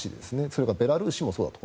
それからベラルーシもそうだと。